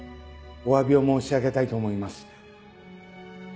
お詫びを申し上げたいと思います。